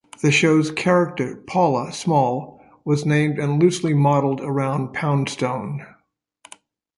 The show's character, Paula Small, was named and loosely modeled around Poundstone.